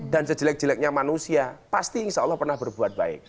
dan sejelek jeleknya manusia pasti insya allah pernah berbuat baik